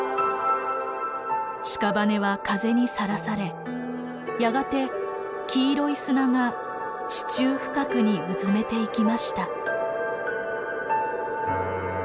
しかばねは風にさらされやがて黄色い砂が地中深くにうずめていきました。